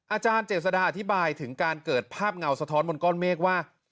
อาจารย์เจษดาอธิบายถึงการเกิดภาพเงาสะท้อนบนก้อนเมฆว่า